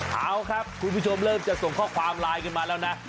เอาครับคุณผู้ชมเริ่มจะส่งข้อความไลน์กันมาแล้วนะ